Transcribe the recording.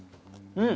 うん！